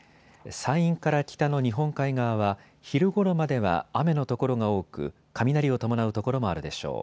山陰から北の日本海側は昼ごろまでは雨の所が多く、雷を伴う所もあるでしょう。